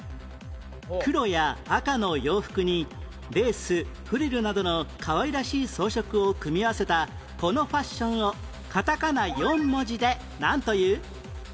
黒や赤の洋服にレースフリルなどのかわいらしい装飾を組み合わせたこのファッションをカタカナ４文字でなんという？